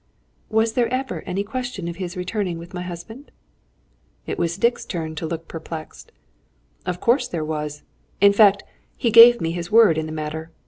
"Was there ever any question of his returning with my husband?" It was Dick's turn to look perplexed. "Of course there was. In fact, he gave me his word in the matter.